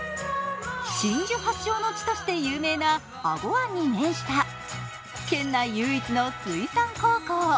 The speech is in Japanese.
真珠発祥の地として有名な英虞湾に面した、県内唯一の水産高校。